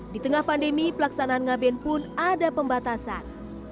di tengah pandemi pelaksanaan ngaben pun ada pembatasan